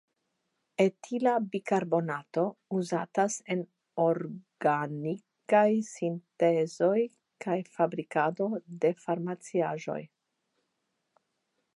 Etila bikarbonato uzatas en orgnaikaj sintezoj kaj en la fabrikado de farmaciaĵoj.